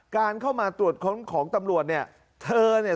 การเข้ามาตรวจของตำรวจเนี่ย